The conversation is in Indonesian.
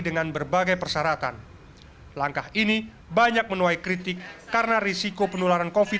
dengan berbagai persyaratan langkah ini banyak menuai kritik karena risiko penularan kofi